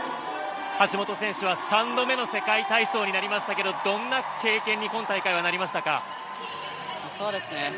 橋本選手は３度目の世界体操になりましたがどんな経験に今大会はなりましたか。